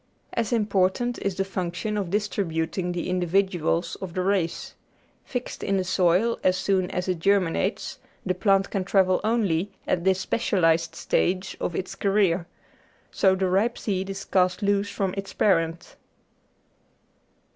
As important is the function of distributing the individuals of the race. Fixed in the soil as soon as it germinates, the plant can travel only at this specialised stage of its career. So the ripe seed is cast loose from its parent.